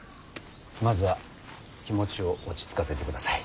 まずは気持ちを落ち着かせてください。